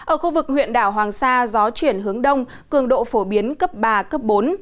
ở khu vực huyện đảo hoàng sa gió chuyển hướng đông cường độ phổ biến cấp ba bốn